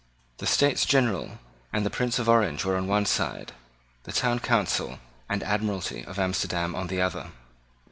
The States General and the Prince of Orange were on one side, the Town Council and Admiralty of Amsterdam on the other.